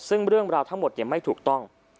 ซึ่งเรื่องราวทั้งหมดไม่ถูกต้อง